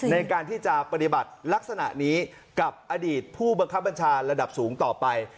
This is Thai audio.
ในการที่จะปฏิบัติลักษณะนี้กับอดีตผู้บังคับบัญชาระดับสูงต่อไป